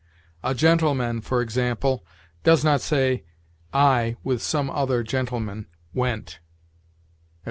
A gentleman, for example, does not say, "I, with some other gentlemen, went," etc.